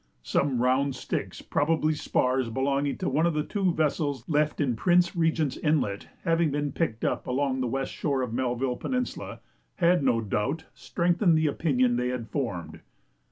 Some round sticks, probably spars belonging to one of the two vessels left in Prince Regent's Inlet, having been picked up along the west shore of Melville Peninsula, had no doubt strengthened the opinion they had formed.